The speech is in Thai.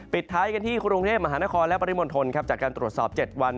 ท้ายกันที่กรุงเทพมหานครและปริมณฑลจากการตรวจสอบ๗วัน